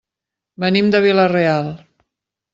Venim de Vila-real.